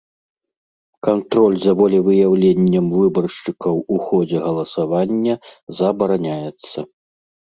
Кантроль за волевыяўленнем выбаршчыкаў у ходзе галасавання забараняецца.